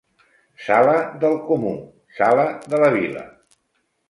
Sala del comú, sala de la vila.